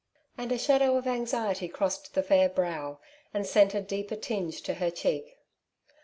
'' And a shadow of anxiety crossed the fair brow, and sent a deeper tinge to her cheek.